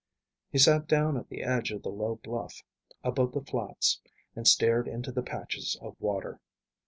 He sat down at the edge of the low bluff above the flats and stared into the patches of water.